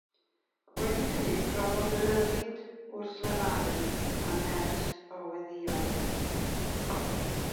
Wedi hynny profodd ryddid wrth lefaru a nerth o weddïo.